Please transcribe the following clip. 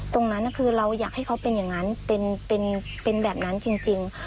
ตรงนั้นคือเราอยากให้เขาเป็นอย่างนั้นเป็นแบบนั้นจริง